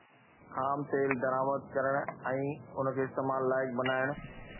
خام تيل درآمد ڪرڻ ۽ ان کي استعمال لائق بڻائڻ